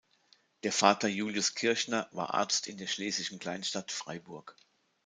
Der Vater Julius Kirschner war Arzt in der schlesischen Kleinstadt Freiburg.